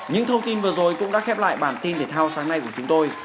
những thông tin vừa rồi cũng đã khép lại bản tin thể thao sáng nay của chúng tôi